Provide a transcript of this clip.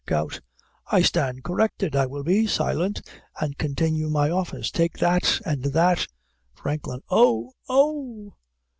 GOUT. I stand corrected. I will be silent and continue my office; take that, and that. FRANKLIN. Oh! Ohh!